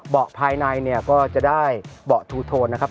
ภายในเนี่ยก็จะได้เบาะทูโทนนะครับ